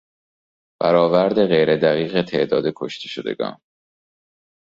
برآورد غیر دقیق تعداد کشته شدگان